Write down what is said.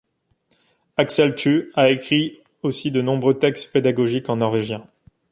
Axel Thue a écrit aussi de nombreux textes pédagogiques en norvégien.